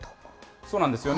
そうなんですよね。